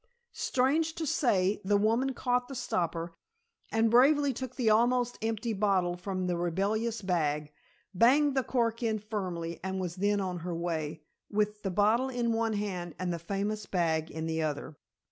Strange to say, the woman caught the stopper, and bravely took the almost empty bottle from the rebellious bag, banged the cork in firmly, and was then on her way with the bottle in one hand and the famous bag in the other.